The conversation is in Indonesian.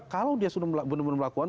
kalau dia sudah benar benar melakukan